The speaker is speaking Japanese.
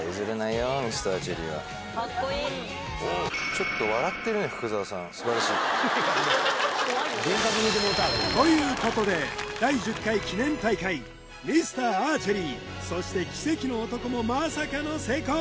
ちょっと笑ってるねということで第１０回記念大会ミスターアーチェリーそして奇跡の男もまさかの成功！